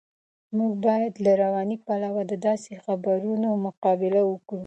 موږ باید له رواني پلوه د داسې خبرونو مقابله وکړو.